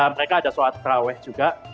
mereka ada suat kerawih juga